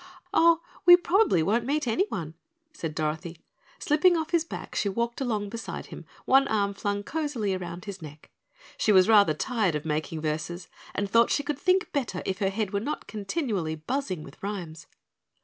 "Oh, we probably won't meet anyone," said Dorothy. Slipping off his back, she walked along beside him, one arm flung cozily around his neck. She was rather tired of making verses and thought she could think better if her head were not continually buzzing with rhymes.